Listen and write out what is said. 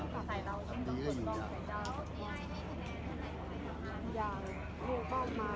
ทำดีได้อยู่อย่างนี้